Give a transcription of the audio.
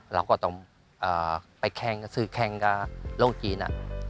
เราก็ต้องไปแค่งซื้อแค่งกับโรงจีน